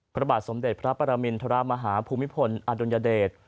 พระบาทสมเด็จพระปรมินทรมาฮาภูมิพลอดุลยเดช